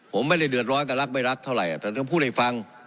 ผมไม่ได้เดือดร้อนกับรักไม่รักเท่าไหร่แต่ต้องพูดให้ฟัง